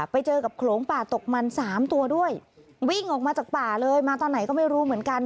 ไปเจอกับโขลงป่าตกมันสามตัวด้วยวิ่งออกมาจากป่าเลยมาตอนไหนก็ไม่รู้เหมือนกัน